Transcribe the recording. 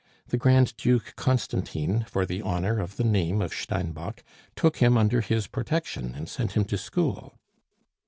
The Grand Duke Constantine, for the honor of the name of Steinbock, took him under his protection and sent him to school."